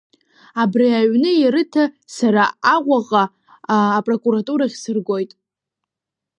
Абри аҩны ирыҭа, сара Аҟәаҟа апрокуратурахь сыргоит.